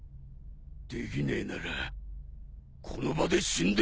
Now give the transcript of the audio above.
できねえならこの場で死んでみせろ。